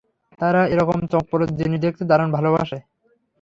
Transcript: তারা এরকম চমকপ্রদ জিনিস দেখতে দারুণ ভালোভাসে!